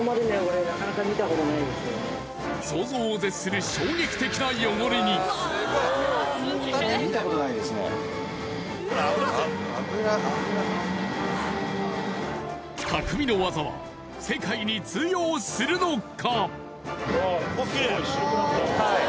想像を絶する衝撃的な汚れに匠の技は世界の通用するのか？